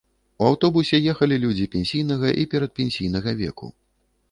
У аўтобусе ехалі людзі пенсійнага і перадпенсійнага веку.